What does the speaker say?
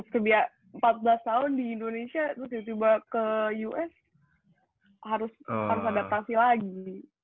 terus empat belas tahun di indonesia terus tiba tiba ke us harus adaptasi lagi